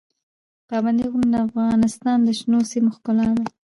پابندی غرونه د افغانستان د شنو سیمو ښکلا ده.